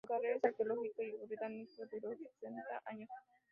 Su carrera en arqueología británica duró sesenta años.